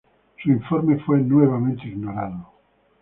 Su informe fue nuevamente ignorado.